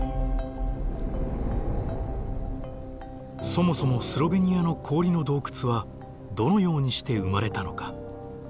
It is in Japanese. そもそもスロベニアの氷の洞窟はどのようにして生まれたのか？